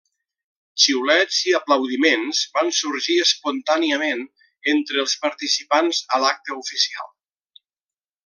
Xiulets i aplaudiments van sorgir espontàniament entre els participants a l'acte oficial.